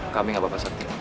kami gak apa apa saja